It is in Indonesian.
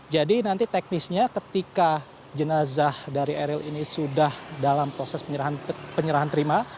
jadi nanti teknisnya ketika jenazah dari eril ini sudah dalam proses penyerahan terima